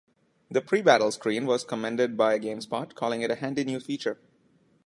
The pre-battle screen was commended by GameSpot, calling it a handy new feature.